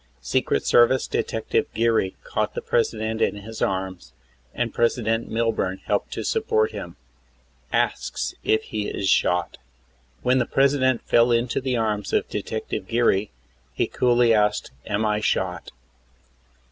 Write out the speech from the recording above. Secret Service Detective Geary caught the President in his arms and President Milburn helped to support him. ASKS IF HE IS SHOT. When the President fell into the arms of Detective Geary he coolly asked: "Am I shot?"